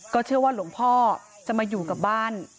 เชื่อว่าหลวงพ่อจะมาอยู่กับบ้าน